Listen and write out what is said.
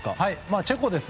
チェコですね。